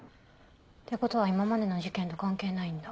ってことは今までの事件と関係ないんだ。